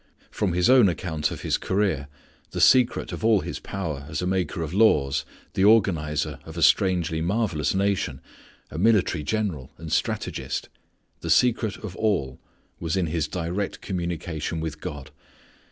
From his own account of his career, the secret of all his power as a maker of laws, the organizer of a strangely marvellous nation, a military general and strategist the secret of all was in his direct communication with God.